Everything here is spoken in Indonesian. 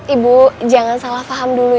ibu jangan salah faham dulu ya